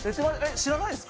知らないですか？